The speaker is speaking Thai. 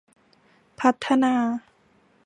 พัฒนา